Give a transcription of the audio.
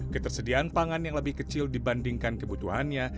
ketersediaan pangan yang lebih kecil dibandingkan kebutuhannya